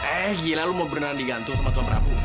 eh gila lo mau berani digantung sama tuan prabu